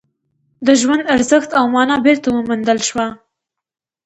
د ژوند ارزښت او مانا بېرته وموندل شوه